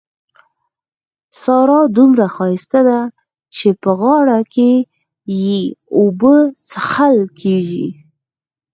سارا دومره ښايسته ده چې په غاړه کې يې اوبه څښل کېږي.